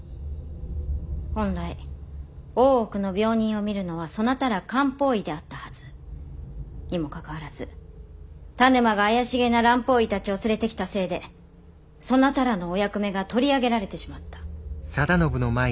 本来大奥の病人を診るのはそなたら漢方医であったはず。にもかかわらず田沼が怪しげな蘭方医たちを連れてきたせいでそなたらのお役目が取り上げられてしまった。